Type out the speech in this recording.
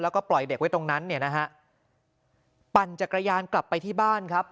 แล้วก็ปล่อยเด็กไว้ตรงนั้นเนี่ยนะฮะปั่นจักรยานกลับไปที่บ้านครับ